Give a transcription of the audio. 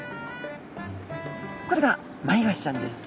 これがマイワシちゃんです。